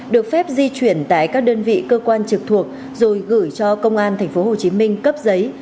được phép di chuyển tại các đơn vị cơ quan trực thuộc rồi gửi cho công an tp hcm cấp giấy